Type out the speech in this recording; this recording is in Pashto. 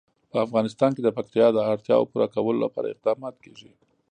په افغانستان کې د پکتیا د اړتیاوو پوره کولو لپاره اقدامات کېږي.